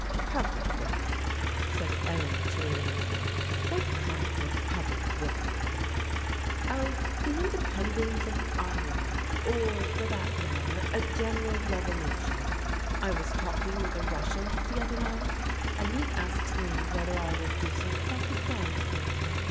" Public work? " said Ellen Chellew. " What kind of public work ?"" Oh, the Independence of Ireland, or, for that mat ter, a general revolution. I was talking with a Russian the other night, and he asked me whether I would do some propaganda work.